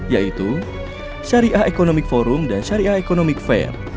yaitu syariah economic forum dan syariah economic fair